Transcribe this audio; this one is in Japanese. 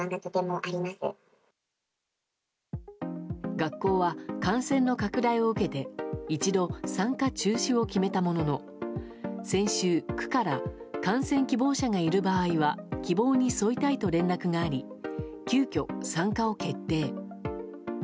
学校は感染の拡大を受けて一度、参加中止を決めたものの先週、区から観戦希望者がいる場合は希望に沿いたいと連絡があり急きょ、参加を決定。